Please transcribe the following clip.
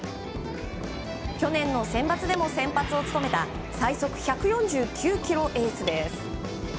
去年のセンバツでも先発を務めた最速１４９キロエースです。